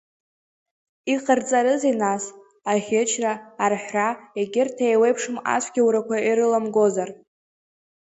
Иҟарҵарызеи нас, аӷьычра, арҳәра, егьырҭ еиуеиԥшым ацәгьаурақәа ирыламгозар?